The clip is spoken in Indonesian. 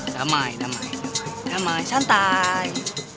damai damai damai santai